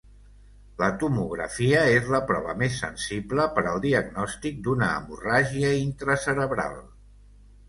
La tomografia és la prova més sensible per al diagnòstic d'una hemorràgia intracerebral.